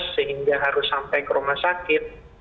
sehingga harus sampai ke rumah sakit